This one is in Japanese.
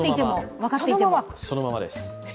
そのままです。